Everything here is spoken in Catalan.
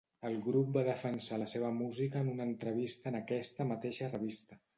El grup va defensar la seva música en una entrevista en aquesta mateixa revista.